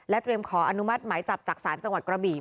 เตรียมขออนุมัติหมายจับจากศาลจังหวัดกระบี่